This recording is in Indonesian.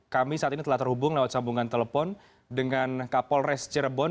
kami saat ini telah terhubung lewat sambungan telepon dengan kapolres cirebon